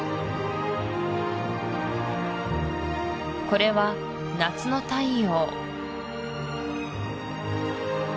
これは夏の太陽